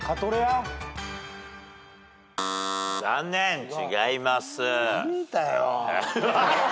残念違います。